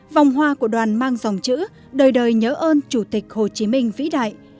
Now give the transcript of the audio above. vòng hoa của đoàn mang dòng chữ đời đời nhớ ơn chủ tịch hồ chí minh vĩ đại